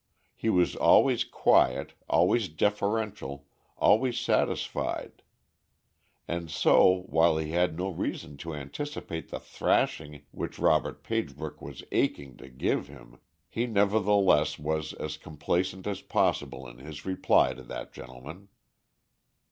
He was always quiet, always deferential, always satisfied; and so, while he had no reason to anticipate the thrashing which Robert Pagebrook was aching to give him, he nevertheless was as complacent as possible in his reply to that gentleman.